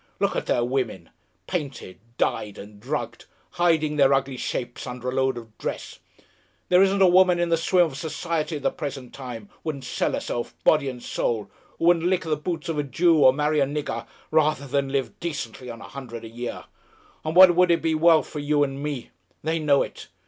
Look at their women! Painted, dyed and drugged, hiding their ugly shapes under a load of dress! There isn't a woman in the swim of society at the present time, wouldn't sell herself, body and soul, who wouldn't lick the boots of a Jew or marry a nigger, rather than live decently on a hundred a year! On what would be wealth for you and me! They know it.